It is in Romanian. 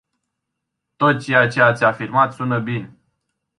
Tot ceea ce ați afirmat sună bine.